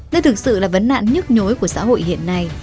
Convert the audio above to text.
đây thực sự là vấn nạn nhức nhối của xã hội hiện nay